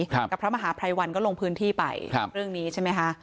กับพระมหาภัยวันก็ลงพื้นที่ไปครับเรื่องนี้ใช่ไหมคะ